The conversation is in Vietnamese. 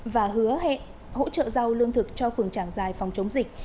và hứa hệ hỗ trợ rau lương thực cho phường trảng dài phòng chống dịch